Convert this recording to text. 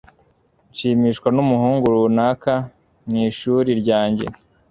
Nshimishwa numuhungu runaka mwishuri ryanjye.